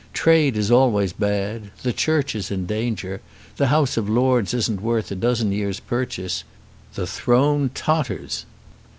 Trade is always bad. The Church is in danger. The House of Lords isn't worth a dozen years' purchase. The throne totters.